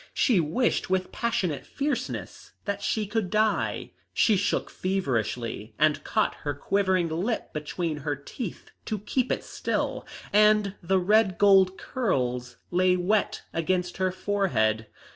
She wished with passionate fierceness that she could die. She shook feverishly and caught her quivering lip between her teeth to keep it still, and the red gold curls lay wet against her forehead.